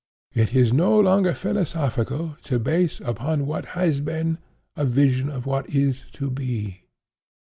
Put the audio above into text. It is no longer philosophical to base, upon what has been, a vision of what is to be.